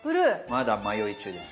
まだ迷い中です。